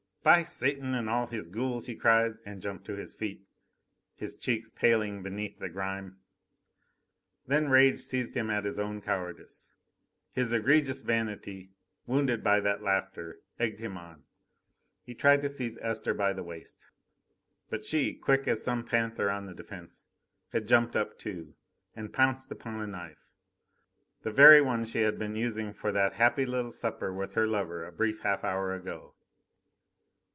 "By Satan and all his ghouls!" he cried, and jumped to his feet, his cheeks paling beneath the grime. Then rage seized him at his own cowardice. His egregious vanity, wounded by that laughter, egged him on. He tried to seize Esther by the waist. But she, quick as some panther on the defence, had jumped up, too, and pounced upon a knife the very one she had been using for that happy little supper with her lover a brief half hour ago.